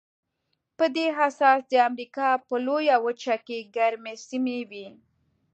په دې اساس د امریکا په لویه وچه کې ګرمې سیمې وې.